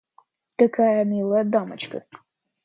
Какая милая дамочка!